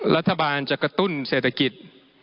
รัฐบาลจะกระตุ้นเศรษฐกิจ